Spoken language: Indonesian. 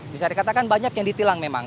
bisa dikatakan banyak yang ditilang memang